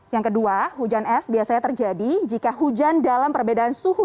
yang kedua hujan es biasanya terjadi jika hujan dalam perbedaan suhu